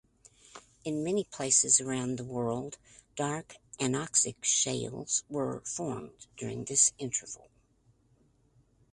In many places around the world, dark anoxic shales were formed during this interval.